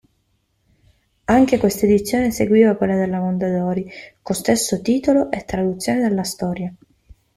Anche questa edizione seguiva quella Mondadori, con stesso titolo e traduzione della storia.